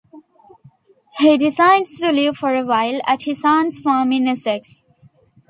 He decides to live for a while at his aunt's farm in Essex.